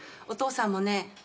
お父さんもね